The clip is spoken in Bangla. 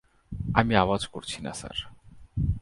আমি আওয়াজ করছি না স্যার!